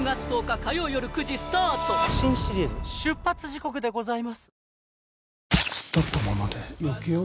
新シリーズ出発時刻でございます。